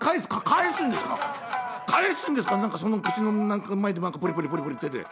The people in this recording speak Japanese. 返すんですか何かそんな口の前でポリポリポリポリ言ってて」。